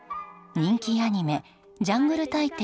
人気アニメ「ジャングル大帝」